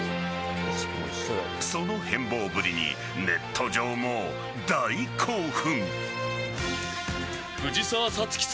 その変貌ぶりにネット上も大興奮。